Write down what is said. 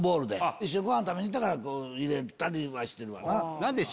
一緒にごはん食べに行ったから入れたりはしてるわな。